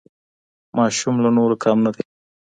ماشوم له نورو کم نه دی.